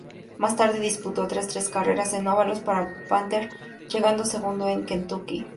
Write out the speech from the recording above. Más tarde disputó otras tres carreras en óvalos para Panther, llegando segundo en Kentucky.